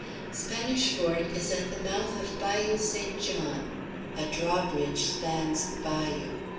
Spanish Fort is at the mouth of Bayou St. John. A draw bridge spans the bayou.